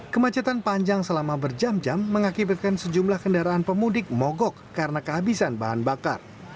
kemacetan panjang selama berjam jam mengakibatkan sejumlah kendaraan pemudik mogok karena kehabisan bahan bakar